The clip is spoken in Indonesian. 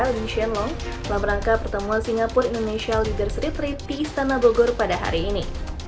reni shenlong dalam rangka pertemuan singapura indonesia leader street tiga pistana bogor pada hari ini